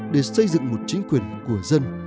để xây dựng một chính quyền của dân